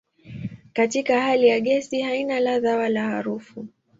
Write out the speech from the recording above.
Katika hali ya gesi haina ladha wala harufu.